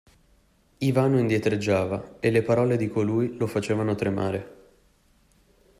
Ivano indietreggiava, e le parole di colui lo facevano tremare.